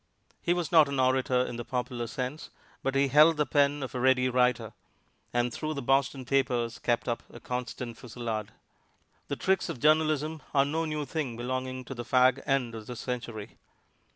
He was not an orator in the popular sense, but he held the pen of a ready writer, and through the Boston papers kept up a constant fusillade. The tricks of journalism are no new thing belonging to the fag end of this century.